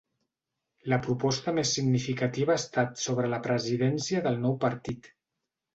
La proposta més significativa ha estat sobre la presidència del nou partit.